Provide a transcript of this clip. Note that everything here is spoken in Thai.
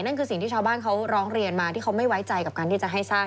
คือสิ่งที่ชาวบ้านเขาร้องเรียนมาที่เขาไม่ไว้ใจกับการที่จะให้สร้าง